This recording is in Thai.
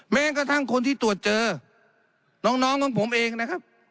แม้กระทั่งคนที่ตรวจเจอน้องของผมเองนะครับ